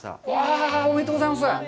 ありがとうございます。